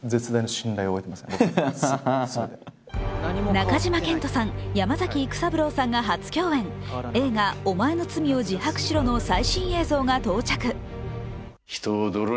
中島健人さん、山崎育三郎さんが初共演、映画「お前の罪を自白しろ」の最新映像が到着。